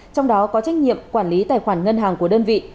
trong đó có trách nhiệm quản lý tài khoản ngân hàng của đơn vị